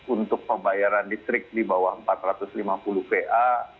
untuk pembayaran listrik di bawah empat ratus lima puluh va